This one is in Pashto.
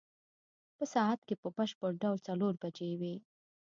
په ساعت کې په بشپړ ډول څلور بجې وې.